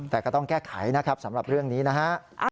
แต่ก็ต้องแก้ไขนะครับสำหรับเรื่องนี้นะฮะ